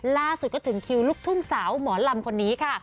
ล่าสุดก็ถึงคิวลูกทุ่งสาวหมอลำคนนี้ค่ะ